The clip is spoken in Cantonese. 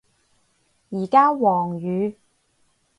而家黃雨